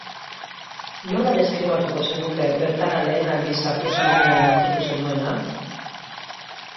Nola deskribatuko zenuke bertara lehen aldiz sartu zinenean aurkitu zenuena?